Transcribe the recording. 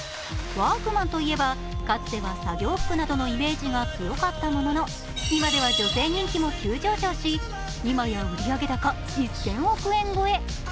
ワークマンといえばかつては作業服などのイメージが強かったものの今では女性人気も急上昇し、今や売上高１０００億円超え。